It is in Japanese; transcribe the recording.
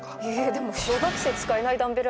でも。